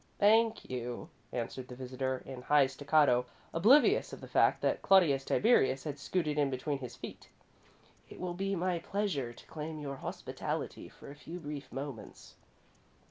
"Thank you," answered the visitor, in high staccato, oblivious of the fact that Claudius Tiberius had scooted in between his feet; "it will be my pleasure to claim your hospitality for a few brief moments.